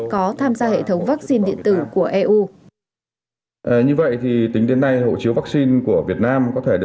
có tham gia hệ thống vaccine điện tử của eu